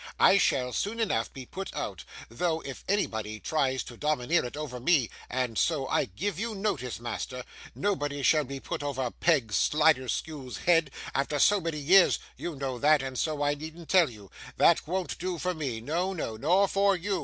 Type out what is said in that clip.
'I shall, soon enough, be put out, though, if anybody tries to domineer it over me: and so I give you notice, master. Nobody shall be put over Peg Sliderskew's head, after so many years; you know that, and so I needn't tell you! That won't do for me no, no, nor for you.